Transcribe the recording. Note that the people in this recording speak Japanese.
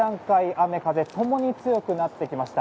雨風共に強くなってきました。